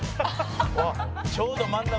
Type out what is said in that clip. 「ちょうど真ん中」